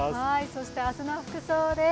そして明日の服装です。